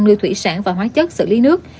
nuôi thủy sản và hóa chất xử lý nước